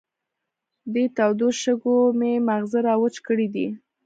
دې تودو شګو مې ماغزه را وچ کړې دي.